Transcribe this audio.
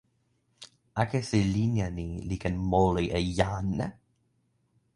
akesi linja ni li ken moli e jan.